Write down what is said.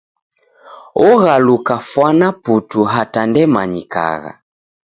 Oghaluka fwana putu hata ndemanyikagha.